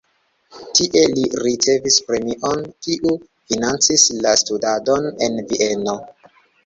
Tie li ricevis premion, kiu financis la studadon en Vieno.